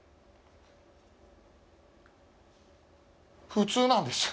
「普通なんですよ」。